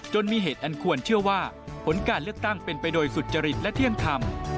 มีเหตุอันควรเชื่อว่าผลการเลือกตั้งเป็นไปโดยสุจริตและเที่ยงธรรม